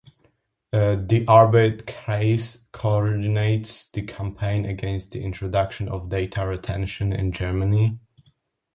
The Arbeitskreis coordinates the campaign against the introduction of data retention in Germany.